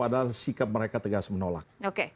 adalah sikap mereka tegas menolak